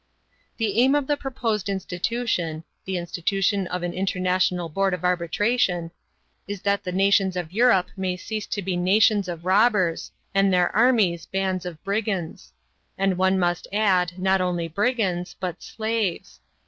"The aim of the proposed institution [the institution of an international board of arbitration] is that the nations of Europe may cease to be nations of robbers, and their armies, bands of brigands. And one must add, not only brigands, but slaves.